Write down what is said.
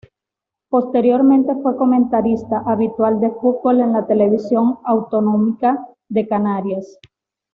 Posteriormente fue comentarista habitual de fútbol en la televisión autonómica de Canarias.